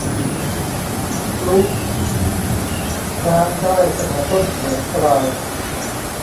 กรู๊ฟ ร้างได้เสมอต้นเสมอปลาย